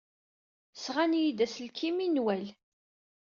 Sɣan-iyi-d aselkim i Newwal.